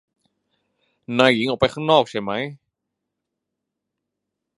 นายหญิงออกไปข้างนอกใช่ไหม